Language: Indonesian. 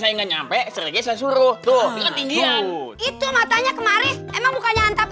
saya nggak nyampe serigai suruh tuh tinggi itu matanya kemarin emang bukannya hantar